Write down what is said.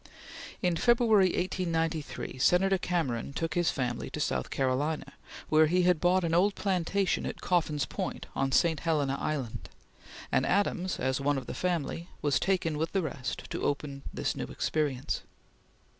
In February, 1893, Senator Cameron took his family to South Carolina, where he had bought an old plantation at Coffin's Point on St. Helena Island, and Adams, as one of the family, was taken, with the rest, to open the new experience.